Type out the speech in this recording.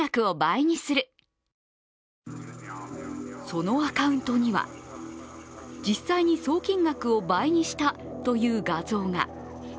そのアカウントには実際に総金額を倍にしたという画像が。